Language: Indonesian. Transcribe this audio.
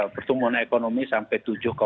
pertumbuhan ekonomi sampai